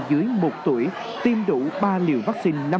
dưới một tuổi tiêm đủ ba liều vaccine